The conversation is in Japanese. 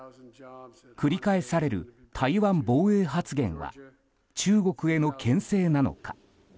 繰り返される台湾防衛発言は中国への牽制なのか。